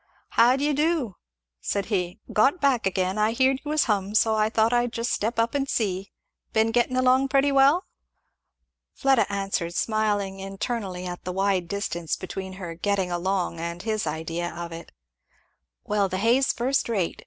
"How d'ye do?" said he. "Got back again. I heerd you was hum, and so I thought I'd just step up and see. Been getting along pretty well?" Fleda answered, smiling internally at the wide distance between her "getting along" and his idea of it. "Well the hay's first rate!"